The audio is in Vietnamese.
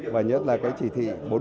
và nhất là cái chỉ thị bốn mươi năm